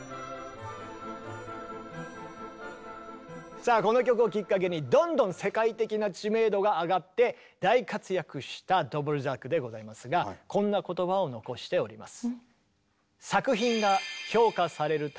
さあこの曲をきっかけにどんどん世界的な知名度が上がって大活躍したドボルザークでございますがこんな言葉を残しております。